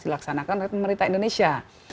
dilaksanakan oleh pemerintah indonesia